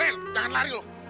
hei jangan lari lo